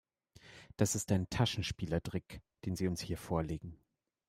Das ist ein Taschenspielertrick, den Sie uns hier vorlegen.